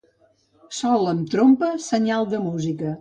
Sol amb trompa, senyal de música.